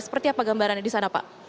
seperti apa gambarannya di sana pak